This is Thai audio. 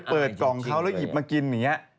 เปิดกล่องเขาแล้วหยิบมากินอย่างนี้